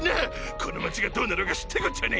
この街がどうなろうが知ったこっちゃねェ！